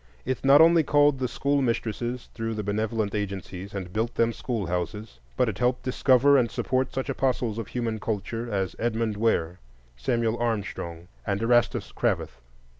It not only called the school mistresses through the benevolent agencies and built them schoolhouses, but it helped discover and support such apostles of human culture as Edmund Ware, Samuel Armstrong, and Erastus Cravath.